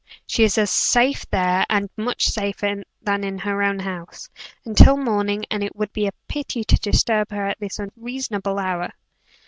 She is as safe there, and much safer than in her own house, until morning, and it would be a pity to disturb her at this unseasonable hour.